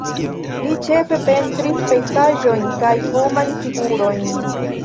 Li ĉefe pentris pejzaĝojn kaj homajn figurojn.